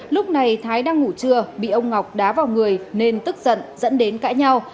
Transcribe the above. lúc này thái đang ngủ trưa bị ông ngọc đá vào người nên tức giận dẫn đến cãi nhau